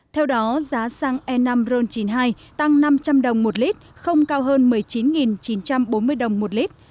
theo đó giá xăng e năm ron chín mươi hai tăng năm trăm linh đồng một lít không cao hơn một mươi chín chín trăm bốn mươi đồng một lít